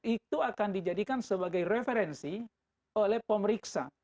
itu akan dijadikan sebagai referensi oleh pemeriksa